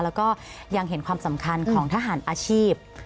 แล้วก็ยังเห็นความสำคัญของทหารอาชีพ